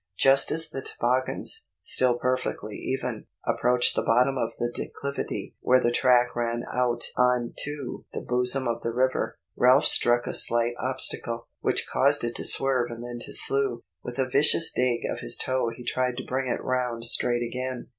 Just as the toboggans, still perfectly even, approached the bottom of the declivity where the track ran out on to the bosom of the river, Ralph's struck a slight obstacle, which caused it to swerve and then to slew. With a vicious dig of his toe he tried to bring it round straight again.